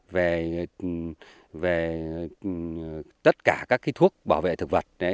về tất cả các thuốc bảo vệ thực vật